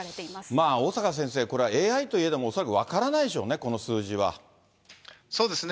まあ小坂先生、これはＡＩといえども、恐らく分からないでしそうですね。